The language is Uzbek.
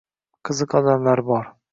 Qiziq odamlar bor: